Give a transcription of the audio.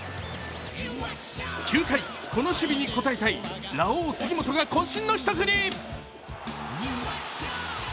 ９回、この守備に応えたいラオウ杉本が渾身の一振り。